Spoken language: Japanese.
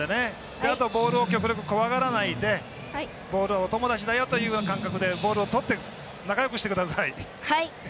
あとボールを極力、怖がらないでボールはお友達だよという感覚でボールをとってはい！